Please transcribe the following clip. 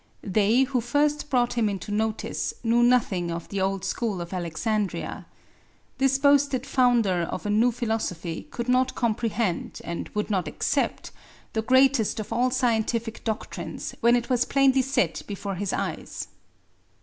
They who first brought him into notice knew nothing of the old school of Alexandria. This boasted founder of a new philosophy could not comprehend, and would not accept, the greatest of all scientific doctrines when it was plainly set before his eyes.